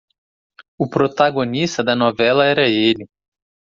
O protagonista da novela era ele.